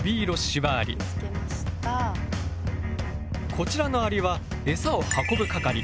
こちらのアリはエサを運ぶ係。